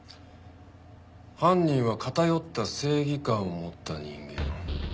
犯人は偏った正義感を持った人間。